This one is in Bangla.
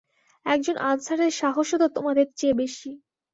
একজন আনসারের সাহসও তো তোমাদের চেয়ে বেশি।